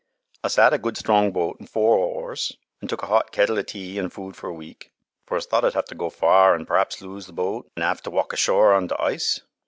"Us 'ad a good strong boat an' four oars, an' took a hot kettle o' tea an' food for a week, for us thought u'd 'ave t' go far an' p'rhaps lose th' boat an' 'ave t' walk ashore un th' ice.